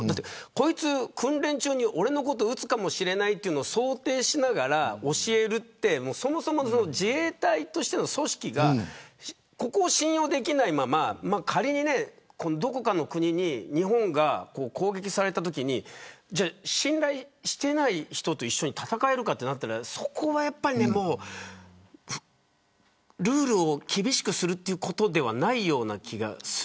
こいつ訓練中に俺のこと撃つかもしれないと想定しながら教えるってそもそも自衛隊としての組織がここを信用できないまま仮にどこかの国に日本が攻撃されたときに信頼していない人と一緒に戦えるかとなったらそこはルールを厳しくするということではないような気がする。